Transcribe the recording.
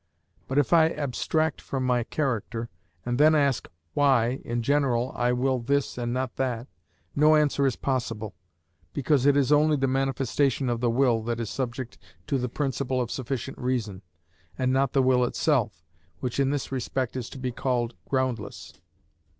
But if I abstract from my character, and then ask, why, in general, I will this and not that, no answer is possible, because it is only the manifestation of the will that is subject to the principle of sufficient reason, and not the will itself, which in this respect is to be called groundless.